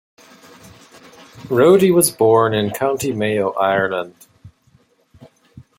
Rodey was born in County Mayo, Ireland.